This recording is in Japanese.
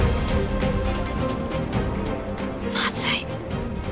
「まずい。